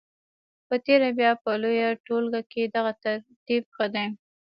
په تېره بیا په لویه ټولګه کې دغه ترتیب ښه دی.